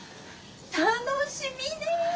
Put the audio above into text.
楽しみねぇ。